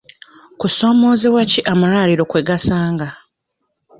Kusoomozebwa ki amalwaliro kwe gasanga?